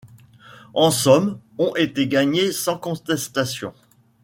En somme, ont été gagnés sans contestation.